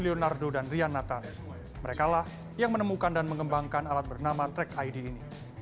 dan juga leonardo dan rian nathan mereka lah yang menemukan dan mengembangkan alat bernama track id ini